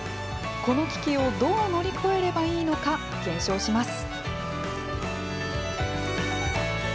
この危機をどう乗り越えればいいのか、検証します。